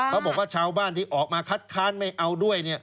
เขาบอกว่าชาวบ้านที่ออกมาคัดค้านไม่เอาด้วยเนี่ย